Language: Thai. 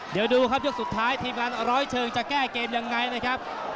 เดี๋ยวดูครับยกสุดท้ายทีมงานร้อยเชิงจะแก้เกมยังไงนะครับ